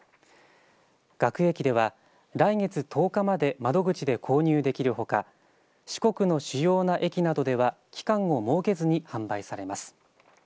学駅では、来月１０日まで窓口で購入できるほか四国の主要な駅などでは期間を設けずに販売されます。